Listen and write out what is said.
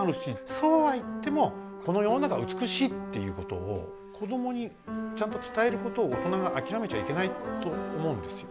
そうは言ってもこの世の中は美しいっていうことを子どもにちゃんと伝えることを大人が諦めちゃいけないと思うんですよ。